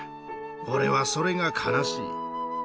俺はそれが悲しい。